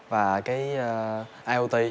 và cái iot